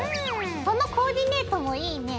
このコーディネートもいいね。